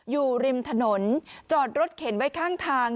อยู่ริมถนนจอดรถเข็นไว้ข้างทาง